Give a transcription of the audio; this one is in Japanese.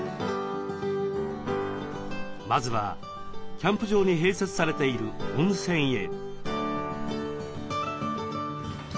まずはキャンプ場に併設されている温泉へ。